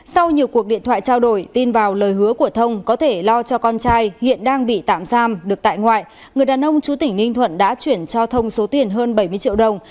sau nhiều cuộc điện thoại trao đổi tin vào lời hứa của thông có thể lo cho con trai hiện đang bị tạm giam được tại ngoại người đàn ông chú tỉnh ninh thuận đã chuyển cho thông số tiền hơn bảy mươi triệu đồng